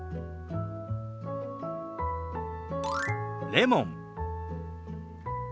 「レモン」。